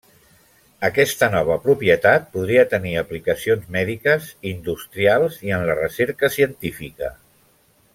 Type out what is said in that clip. Aquesta nova propietat podria tenir aplicacions mèdiques, industrials i en la recerca científica.